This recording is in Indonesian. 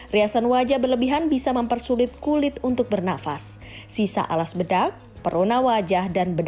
riasan wajah berlebihan bisa mempersulit kulit untuk bernafas sisa alas bedak perona wajah dan benda